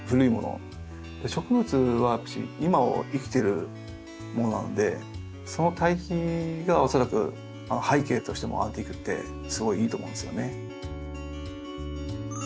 植物はやっぱし今を生きてるものなのでその対比が恐らく背景としてもアンティークってすごいいいと思うんですよね。